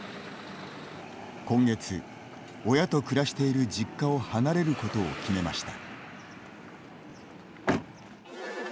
今月、親と暮らしている実家を離れることを決めました。